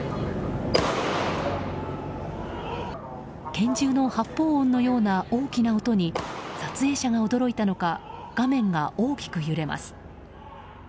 拳銃の発砲音のような大きな音に撮影者が驚いたのか画面が大きく揺れます。